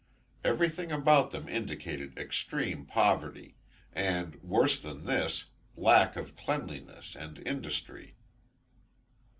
Everything about them indicated extreme poverty; and, worse than this, lack of cleanliness and industry.